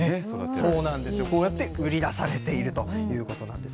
そうなんですよ、こうやって売り出されているということなんですよ。